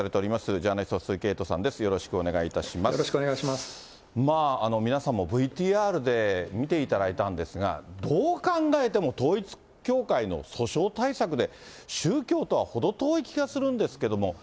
まあ、皆さんもＶＴＲで見ていただいたんですが、どう考えても、統一教会の訴訟対策で、宗教とは程遠い気がするんですけど。